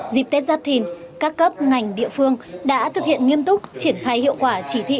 dịp tết giáp thìn các cấp ngành địa phương đã thực hiện nghiêm túc triển khai hiệu quả chỉ thị